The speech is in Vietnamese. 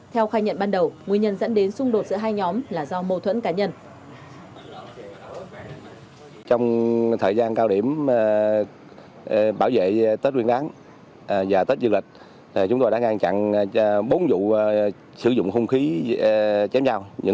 theo khai nhận ban đầu nguyên nhân dẫn đến xung đột giữa hai nhóm là do mâu thuẫn cá nhân